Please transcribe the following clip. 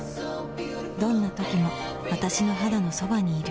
どんな時も私の肌のそばにいる